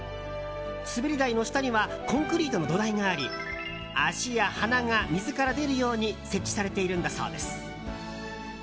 滑り台の下にはコンクリートの土台があり足や鼻が水から出るように設置されているんだそうです。